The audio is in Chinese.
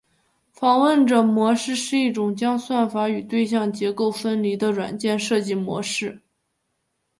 访问者模式是一种将算法与对象结构分离的软件设计模式。